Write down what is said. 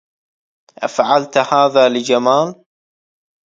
أفعلت هذا لجمال؟